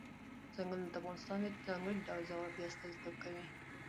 ځنګلونه د افغانستان د ځانګړي ډول جغرافیه استازیتوب کوي.